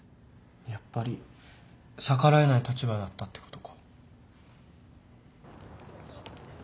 やっぱり逆らえない立場だったってことか。